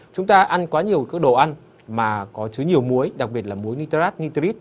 chúng ta ăn quá nhiều các đồ ăn mà có chứa nhiều muối đặc biệt là muối nitrate nitrite